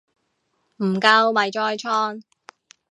唔夠咪再創